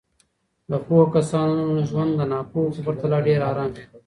د پوهو کسانو ژوند د ناپوهو په پرتله ډېر ارام وي.